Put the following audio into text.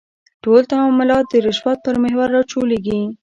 ټول تعاملات د رشوت پر محور راچولېږي.